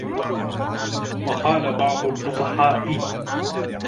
وَقَالَ بَعْضُ الْفُصَحَاءِ